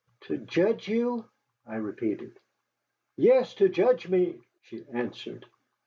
"To judge you?" I repeated. "Yes, to judge me," she answered.